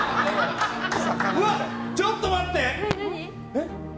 うわっ、ちょっと待って！